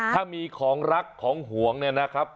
ถ้ามีของรักของห่วงเนี่ยนะครับ